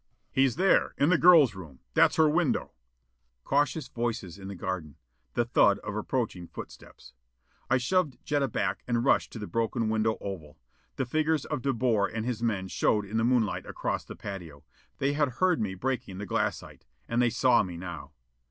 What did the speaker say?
"He's there! In the girl's room! That's her window!" Cautious voices in the garden! The thud of approaching footsteps. I shoved Jetta back and rushed to the broken window oval. The figures of De Boer and his men showed in the moonlight across the patio. They had heard me breaking the glassite. And they saw me, now.